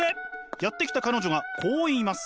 やって来た彼女がこう言います。